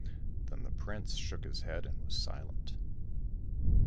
Then the prince shook his head and was silent.